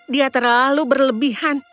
dia terlalu berlebihan